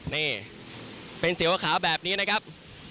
นี่เป็นเสียวขาวแบบนี้นะครับ